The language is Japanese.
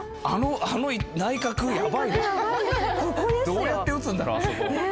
どうやって打つんだろうあそこ。